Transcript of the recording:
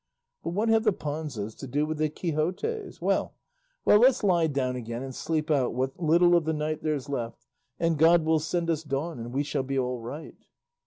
But what have the Panzas to do with the Quixotes? Well, well, let's lie down again and sleep out what little of the night there's left, and God will send us dawn and we shall be all right."